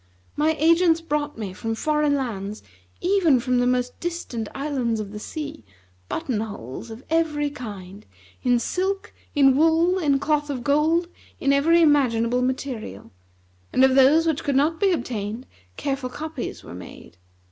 My agents brought me from foreign lands, even from the most distant islands of the sea, button holes of every kind; in silk, in wool, in cloth of gold, in every imaginable material, and of those which could not be obtained careful copies were made.